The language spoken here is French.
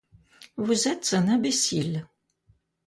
Vous êtes un imbécile.